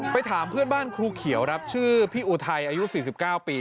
ถามเพื่อนบ้านครูเขียวครับชื่อพี่อุทัยอายุ๔๙ปี